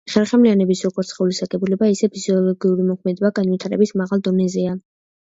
ხერხემლიანების როგორც სხეულის აგებულება, ისე ფიზიოლოგიური მოქმედება განვითარების მაღალ დონეზეა.